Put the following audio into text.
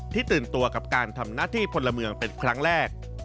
ตื่นตัวกับการทำหน้าที่พลเมืองเป็นครั้งแรก